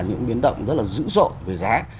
những biến động rất là dữ dội về giá